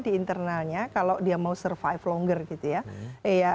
di internalnya kalau dia mau survive longer gitu ya